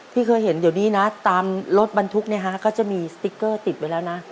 เคยเห็นเดี๋ยวนี้นะตามรถบรรทุกเนี่ยฮะก็จะมีสติ๊กเกอร์ติดไว้แล้วนะ